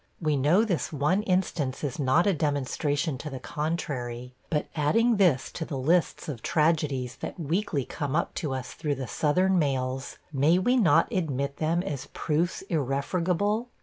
We know this one instance is not a demonstration to the contrary; but, adding this to the lists of tragedies that weekly come up to us through the Southern mails, may we not admit them as proofs irrefragable?